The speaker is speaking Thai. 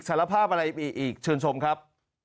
สารภาพอะไรอีกชื่นสมครับ